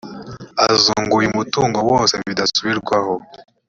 azunguye umutungo wose budasubirwaho